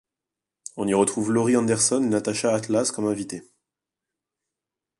On y retrouve Laurie Anderson et Natacha Atlas comme invitée.